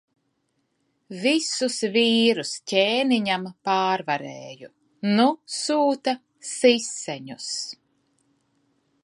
Visus vīrus ķēniņam pārvarēju. Nu sūta siseņus.